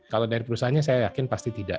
kalau dari perusahaannya saya yakin pasti tidak